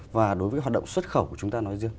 và đối với hoạt động xuất khẩu của chúng ta nói riêng